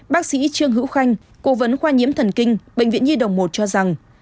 bác sĩ trương hữu khanh cố vấn khoa nhiễm thần kinh bệnh viện nhi đồng một cho rằng